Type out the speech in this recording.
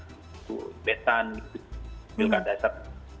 itu besan pilkada serentak